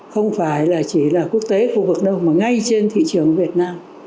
không phải chỉ là quốc tế khu vực đâu mà ngay trên thị trường việt nam